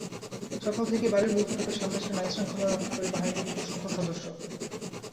সকাল থেকেই বাড়ির মূল ফটকের সামনে ছিলেন আইনশৃঙ্খলা রক্ষাকারী বাহিনীর বিপুলসংখ্যক সদস্য।